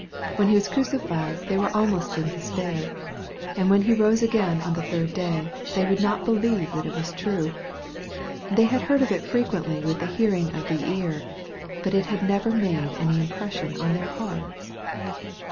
When He was crucified, they were almost in despair. And when He rose again on the third day, they would not believe that it was true. They had heard of it frequently with the hearing of the ear, but it had never made any impres sion on their hearts.